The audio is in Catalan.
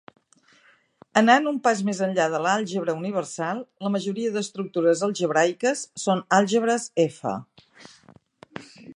Anant un pas més enllà de l'àlgebra universal, la majoria d'estructures algebraiques són àlgebres F.